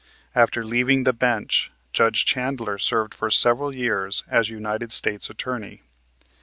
After leaving the bench, Judge Chandler served for several years as United States Attorney.